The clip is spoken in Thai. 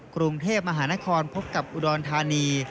กรุงเทพมหานครพบกับอุดรธานี